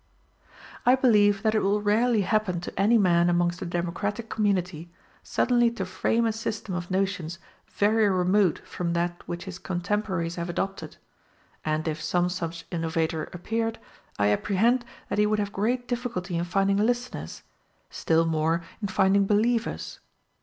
I believe that it will rarely happen to any man amongst a democratic community, suddenly to frame a system of notions very remote from that which his contemporaries have adopted; and if some such innovator appeared, I apprehend that he would have great difficulty in finding listeners, still more in finding believers.